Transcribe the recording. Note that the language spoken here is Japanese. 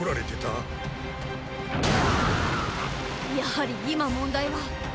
やはり今問題は。